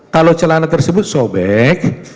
kalau celana tersebut sobek